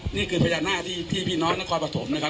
นี่คือพญานาคที่พี่น้องนครปฐมนะครับ